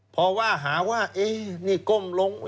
พอว่าหาว่านี่ก้มลง